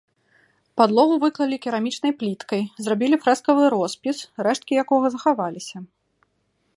Падлогу выклалі керамічнай пліткай, зрабілі фрэскавы роспіс, рэшткі якога захаваліся.